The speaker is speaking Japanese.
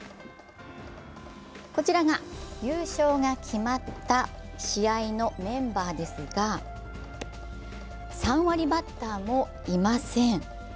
こちらが優勝が決まった試合のメンバーですが３割バッターもいません。